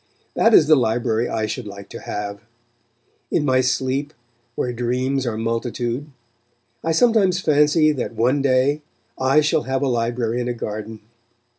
That is the library I should like to have. In my sleep, "where dreams are multitude," I sometimes fancy that one day I shall have a library in a garden.